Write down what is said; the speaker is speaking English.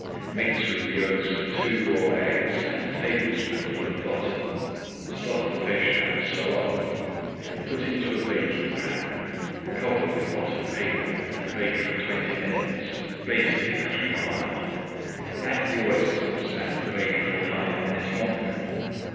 Mix with the yolks of two raw eggs and a tablespoonful of butter. Stuff the fish and sew up. Put into a baking pan, cover with buttered paper, and bake for twenty minutes, basting as required. Add the oysters and bake for five minutes longer.